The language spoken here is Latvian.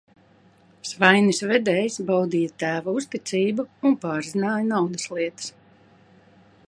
"Svainis Vedējs "baudīja tēva uzticību" un pārzināja naudas lietas."